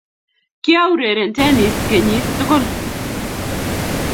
kiaureren teniis kenyu tukul